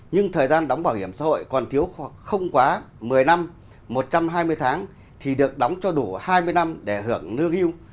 nhưng thời gian đóng bảo hiểm xã hội còn thiếu khoảng không quá một mươi năm một trăm hai mươi tháng thì được đóng cho đủ hai mươi năm để hưởng lương hưu